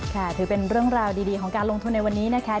ค่ะถือเป็นเรื่องราวดีของการลงทุนในวันนี้นะคะ